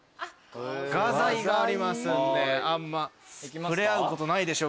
画材がありますんであんま触れ合うことないでしょうけどぜひ。